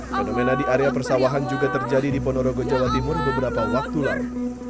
fenomena di area persawahan juga terjadi di ponorogo jawa timur beberapa waktu lalu